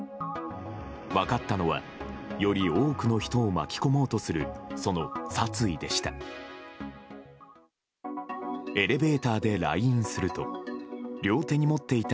分かったのはより多くの人を巻き込もうとするその殺意でした。